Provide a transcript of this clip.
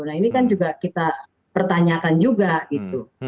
nah ini kan juga kita pertanyakan juga gitu